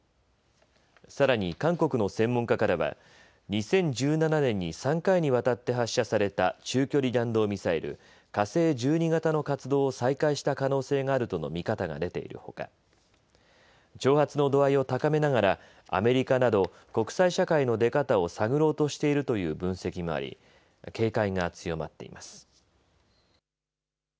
さらに韓国の専門家からは２０１７年に３回にわたって発射された中距離弾道ミサイル火星１２型の活動を再開した可能性があるとの見方が出ているほか挑発の度合いを高めながらアメリカなど、国際社会の出方を探ろうとしているという分析もあり、警戒が強まっています。